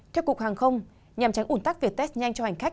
trước cuộc hàng không nhằm tránh ủn tắc việc test nhanh cho hành khách